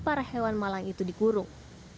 para hewan malang itu dikurung